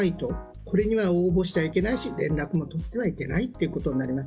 これには応募してはいけないし連絡も取ってはいけないことになります。